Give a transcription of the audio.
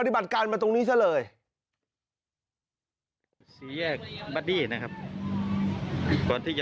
ปฏิบัติการมาตรงนี้ซะเลย